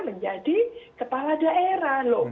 menjadi kepala daerah